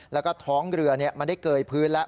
แล้วก็ท้องเรือมันได้เกยพื้นแล้ว